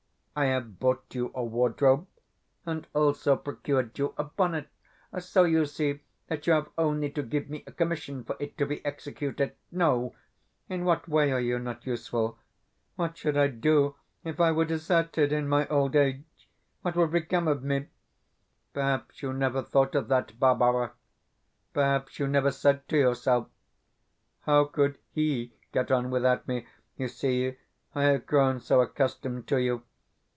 I have bought you a wardrobe, and also procured you a bonnet; so you see that you have only to give me a commission for it to be executed.... No in what way are you not useful? What should I do if I were deserted in my old age? What would become of me? Perhaps you never thought of that, Barbara perhaps you never said to yourself, "How could HE get on without me?" You see, I have grown so accustomed to you.